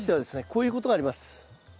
こういうことがあります。